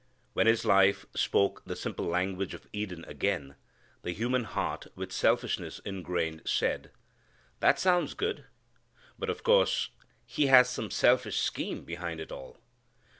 When His life spoke the simple language of Eden again, the human heart with selfishness ingrained said, "That sounds good, but of course He has some selfish scheme behind it all.